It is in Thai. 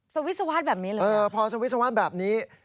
สวิสวาทแบบนี้หรือเปล่าพอสวิสวาทแบบนี้